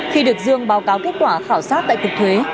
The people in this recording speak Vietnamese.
khi được dương báo cáo kết quả khảo sát tại cục thuế